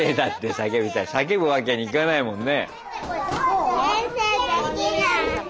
叫ぶわけにいかないもんね。